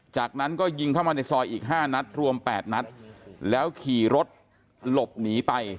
จากนั้นก็ยิงเข้ามาในซอยอีก๕นัดรวม๘นัดแล้วขี่รถหลบหนีไป